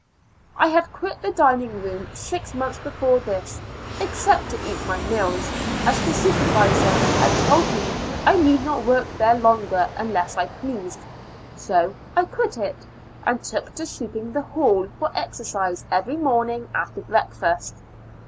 I had quit the dining room six months before this, except to eat my meals, as the Supervisor had told me I need not work there longer unless I pleased; so I quit it, and took to sweeping the hall* for exercise every morning after breakfast.